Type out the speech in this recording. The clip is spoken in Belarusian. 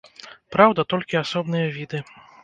Праўда, толькі асобныя віды.